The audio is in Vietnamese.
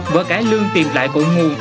vở cải lương tìm lại cội ngu